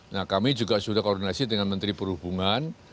nah kami juga sudah koordinasi dengan menteri perhubungan